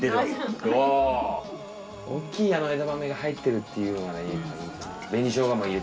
大きいあの枝豆が入ってるっていうのがいいですね。